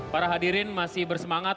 para hadirin masih bersemangat